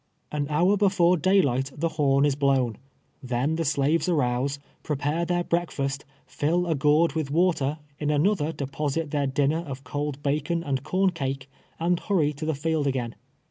An hour before day liglit the horn is blown. Then the slaves arouse, prepare their breakfast, fill a gourd with water, in another deposit their dinner of cold bacon and corn cake, and hurry to the field again.